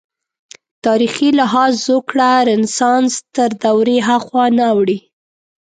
تاریخي لحاظ زوکړه رنسانس تر دورې هاخوا نه اوړي.